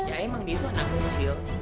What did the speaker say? ya emang dia anak kecil